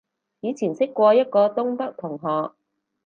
以前識過一個東北同學